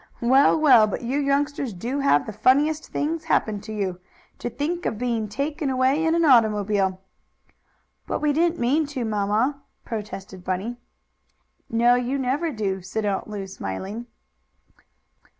"Well! well! But you youngsters do have the funniest things happen to you! To think of being taken away in an automobile!" "But we didn't mean to, Mamma," protested Bunny. "No, you never do," said Aunt Lu, smiling.